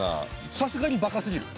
さすがにバカすぎる。